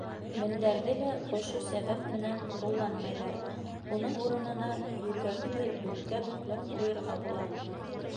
Мендәрҙе лә ошо сәбәп менән ҡулланмайҙар, уның урынына йүргәкте дүрткә бөкләп ҡуйырға була.